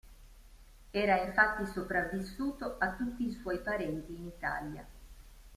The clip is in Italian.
Era infatti sopravvissuto a tutti i suoi parenti in Italia.